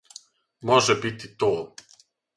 Може бити то.